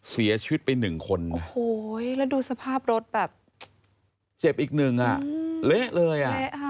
เสียชีวิตไป๑คนโอ้โหแล้วดูสภาพรถแบบเจ็บอีกนึงเละเลย